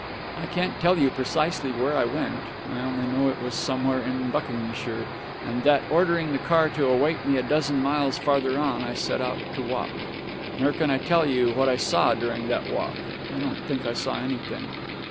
I can't tell you precisely where I went; I only know it was somewhere in Buckinghamshire, and that, ordering the car to await me a dozen miles farther on, I set out to walk. Nor can I tell you what I saw during that walk; I don't think I saw anything.